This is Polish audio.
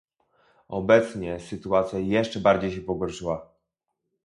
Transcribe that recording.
Obecnie sytuacja jeszcze bardziej się pogorszyła